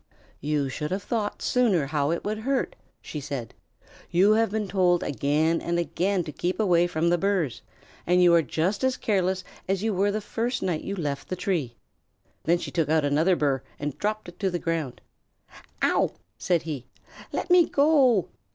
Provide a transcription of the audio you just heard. "You should have thought sooner how it would hurt," she said. "You have been told again and again to keep away from the burrs, and you are just as careless as you were the first night you left the tree." Then she took out another burr and dropped it to the ground. "Ouch!" said he. "Let me go!"